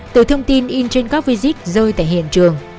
từ thông tin in trên các visig rơi tại hiện trường